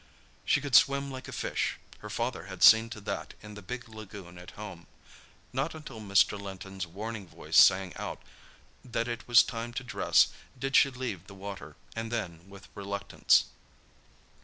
She could swim like a fish—her father had seen to that in the big lagoon at home. Not until Mr. Linton's warning voice sang out that it was time to dress did she leave the water, and then with reluctance.